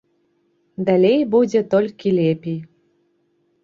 Далей будзе толькі лепей.